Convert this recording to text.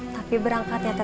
tapi berangkat ya kakak